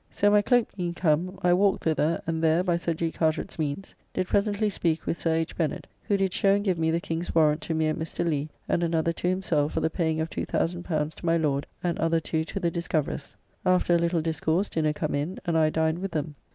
So my cloak being come, I walked thither; and there, by Sir G. Carteret's means, did presently speak with Sir H. Bennet, who did show and give me the King's warrant to me and Mr. Leigh, and another to himself, for the paying of L2,000 to my Lord, and other two to the discoverers. After a little discourse, dinner come in; and I dined with them.